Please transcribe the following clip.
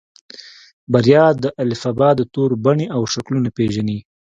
بريا د الفبا د تورو بڼې او شکلونه پېژني.